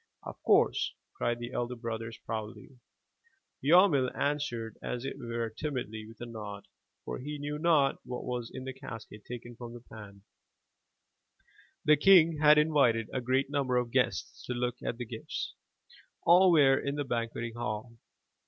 "Of course," cried the elder brothers, proudly. Yarmil 388 THROUGH FAIRY HALLS answered, as it were timidly, with a nod; for he knew not what was in that casket taken from the pan. The king had invited a great number of guests to look at the gifts. All were in the banqueting hall.